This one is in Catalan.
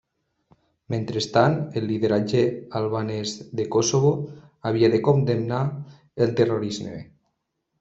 Mentrestant, el lideratge albanès de Kosovo havia de condemnar el terrorisme.